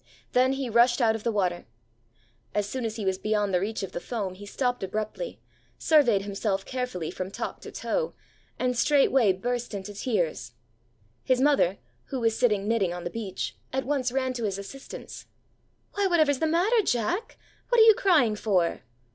Then he rushed out of the water. As soon as he was beyond the reach of the foam he stopped abruptly, surveyed himself carefully from top to toe, and straightway burst into tears. His mother, who was sitting knitting on the beach, at once ran to his assistance. 'Why, whatever's the matter, Jack? What are you crying for?'